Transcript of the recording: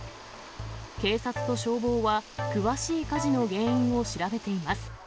警察と消防は、詳しい火事の原因を調べています。